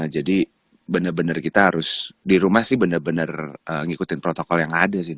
jadi benar benar kita harus di rumah sih benar benar ngikutin protokol yang ada sih